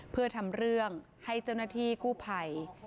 เพื่อทำเรื่องให้เจ้าหน้าที่กู้ภัย